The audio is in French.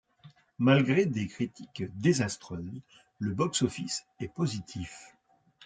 Malgré des critiques désastreuses, le box-office est positif.